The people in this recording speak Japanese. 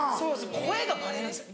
声がバレるんですよ